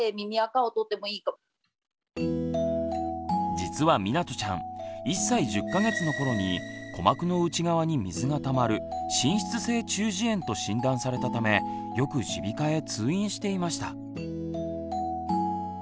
実はみなとちゃん１歳１０か月の頃に鼓膜の内側に水がたまる「滲出性中耳炎」と診断されたためよく耳鼻科へ通院していました。